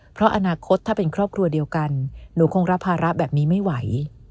เพราะอนาคตถ้าเป็นครอบครัวเดียวกันหนูคงรับภาระแบบนี้ไม่ไหว